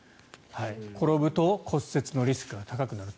転ぶと骨折のリスクが高くなる。